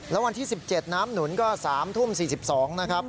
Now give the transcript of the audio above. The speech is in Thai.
แล้ววันที่๑๗น้ำหนุนก็๓ทุ่ม๔๒นะครับ